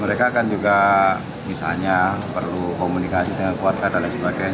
mereka kan juga misalnya perlu komunikasi dengan keluarga dan lain sebagainya